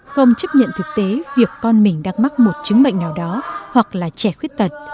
không chấp nhận thực tế việc con mình đang mắc một chứng bệnh nào đó hoặc là trẻ khuyết tật